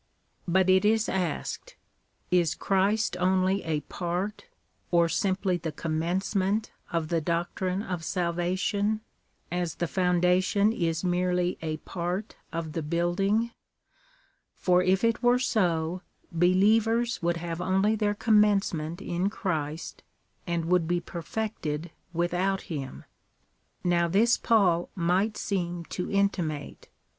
But it is asked —" Is Christ only a part, or simply the commencement of the doctrine of salvation, as the founda tion is merely a part of the building ; for if it were so, be lievers would have only their commencement in Christ, and would be perfected without him. Now this Paul might seem to intimate."